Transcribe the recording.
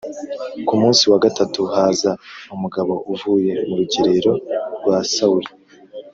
Ku munsi wa gatatu haza umugabo uvuye mu rugerero rwa Sawuli